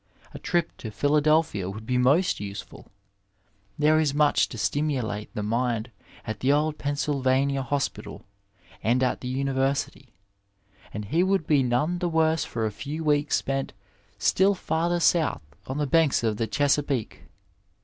A trip to Philadelphia would be most helpful ; there is much to stimulate the mind at the old Pennsylvania Hospital and at the University, and he would be none the worse for a few weeks spent still farther south on the banks of the Chesapeake.